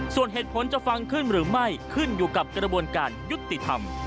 ส่วนเหตุผลจะฟังขึ้นหรือไม่ขึ้นอยู่กับกระบวนการยุติธรรม